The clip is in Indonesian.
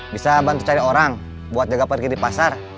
bisa bantu cari orang buat jaga pergi di pasar